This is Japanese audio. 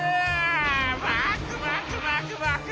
バクバクバクバク！